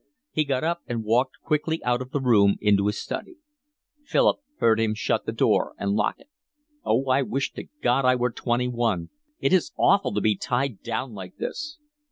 He got up and walked quickly out of the room into his study. Philip heard him shut the door and lock it. "Oh, I wish to God I were twenty one. It is awful to be tied down like this."